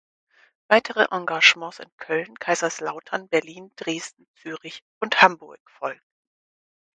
Weitere Engagements in Köln, Kaiserslautern, Berlin, Dresden, Zürich und Hamburg folgten.